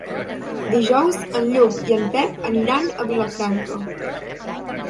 Dijous en Lluc i en Pep aniran a Vilafranca.